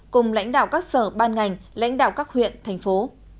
cùng lãnh đạo các sở ban ngành lãnh đạo các huyện thành phố